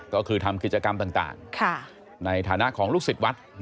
ก็คือทำกิจกรรมต่างในฐานะของลูกศิษย์วัด